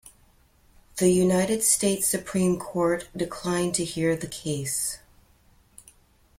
The United States Supreme Court declined to hear the case.